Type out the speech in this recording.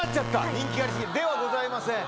人気あり過ぎではございません。